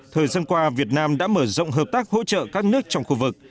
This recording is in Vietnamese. thời gian qua việt nam đã mở rộng hợp tác hỗ trợ các nước trong khu vực